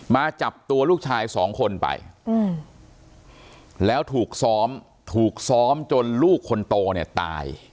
มาจับตัวลูกชายสองคนไปแล้วถูกซ้อมถูกซ้อมจนลูกคนโตเนี่ยตาย